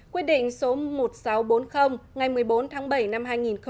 quyết định số một nghìn sáu trăm bốn mươi ngày một mươi bốn tháng bảy năm hai nghìn một mươi bảy